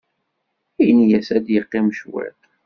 Ini-as ad yeqqim cwiṭ.